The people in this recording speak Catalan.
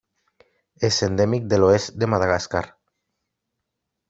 És endèmic de l'oest de Madagascar.